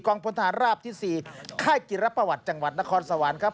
พลทหารราบที่๔ค่ายกิรประวัติจังหวัดนครสวรรค์ครับ